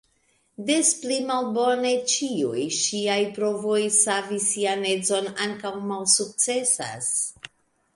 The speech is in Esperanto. Des pli malbone, ĉiuj ŝiaj provoj savi sian edzon ankaŭ malsukcesas.